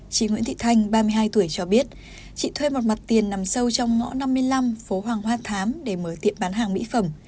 chị nguyễn thị thanh ba mươi hai tuổi cho biết chị thuê một mặt tiền nằm sâu trong ngõ năm mươi năm phố hoàng hoa thám để mở tiệm bán hàng mỹ phẩm